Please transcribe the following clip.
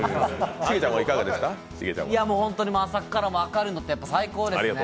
本当に朝から明るいのって最高ですね。